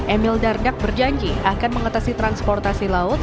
emil dardak berjanji akan mengatasi transportasi laut